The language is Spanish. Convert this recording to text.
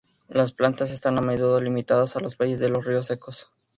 Las plantas están a menudo limitadas a los valles de los ríos secos.